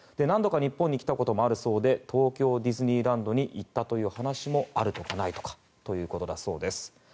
何度か日本に来たこともあるそうで東京ディズニーランドに行ったという話もあるとかないとかということだそうです。